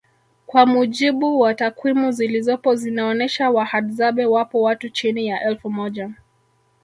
Kwa mujibu wa takwimu zilizopo zinaonesha wahadzabe wapo watu chini ya elfu moja